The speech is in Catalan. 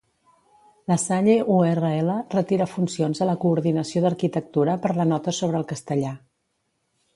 La Salle-URL retira funcions a la coordinació d'Arquitectura per la nota sobre el castellà.